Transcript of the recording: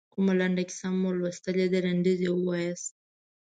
کومه لنډه کیسه مو لوستلې ده لنډیز یې ووایاست.